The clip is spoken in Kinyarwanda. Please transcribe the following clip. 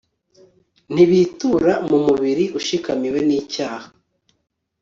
ntibutura mu mubiri ushikamiwe n'icyaha